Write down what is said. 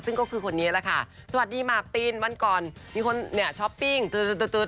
ซึ่งก็คือคนนี้แหละค่ะสวัสดีมากปีนวันก่อนมีคนเนี่ยช้อปปิ้ง